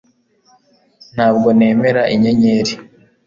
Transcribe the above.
Ntabwo nemera inyenyeri